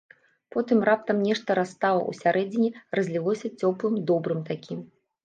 Потым раптам нешта растала ўсярэдзіне, разлілося цёплым, добрым такім.